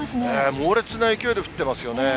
猛烈な勢いで降ってますよね。